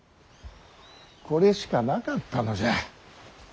これしかなかったのじゃ。